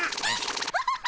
アハハ。